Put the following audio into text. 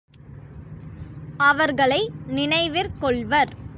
அவர்களை நினைவிற் கொள்வர்.